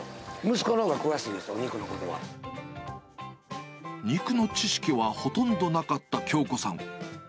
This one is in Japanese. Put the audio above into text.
息子のほうが詳しいですよ、肉の知識はほとんどなかった京子さん。